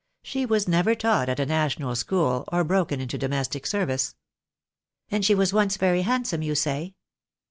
She was never taught at a National School, or broken into domestic service." "And she was once very handsome, you say?"